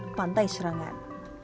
di pantai serangan